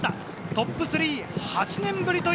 トップ３は８年ぶりです！